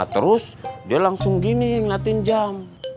terus dia langsung gini ngeliatin jam